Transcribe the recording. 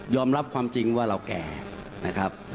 รับความจริงว่าเราแก่นะครับ